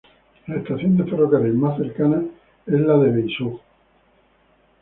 La estación de ferrocarril más cercana es la de Beisug.